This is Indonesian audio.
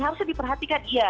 harusnya diperhatikan iya